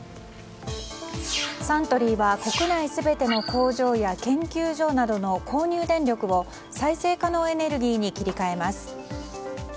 サントリーは国内全ての工場や研究所などの購入電力を再生可能エネルギーに切り替えます。